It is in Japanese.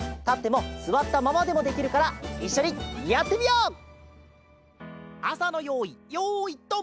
たってもすわったままでもできるからいっしょにやってみよう！